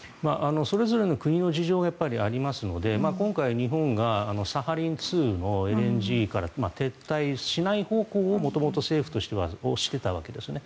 それぞれの国の事情がありますので今回、日本がサハリン２のＬＮＧから撤退しない方向を元々、政府としてはしていたわけですね。